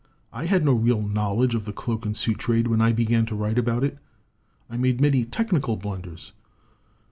"I had no real knowledge of the cloak and suit trade when I began to write about it. I made many technical blunders.